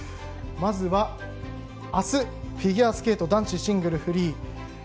まずは明日、フィギュアスケート男子シングルフリー。